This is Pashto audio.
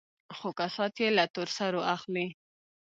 خو كسات يې له تور سرو اخلي.